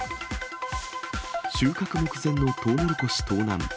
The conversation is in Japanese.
収穫目前のトウモロコシ盗難。